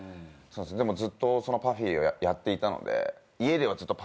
でもずっとＰＵＦＦＹをやっていたので。